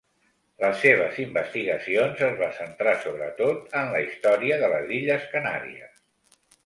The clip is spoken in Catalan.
Les seves investigacions es va centrar sobretot en la història de les illes Canàries.